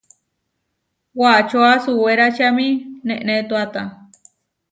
Wačóa suwéračiami neʼnétoata.